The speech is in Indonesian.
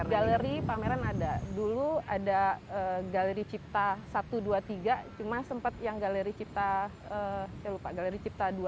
galeri pameran ada dulu ada galeri cipta satu dua tiga cuma sempat yang galeri cipta dua nya satunya nggak ada